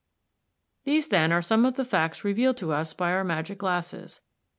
] These then are some of the facts revealed to us by our magic glasses.